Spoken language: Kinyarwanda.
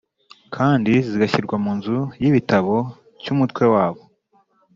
kandi zigashyirwa mu nzu y ibitabo cy,Umutwe wabo.